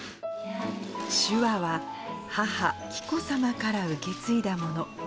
手話は、母、紀子さまから受け継いだもの。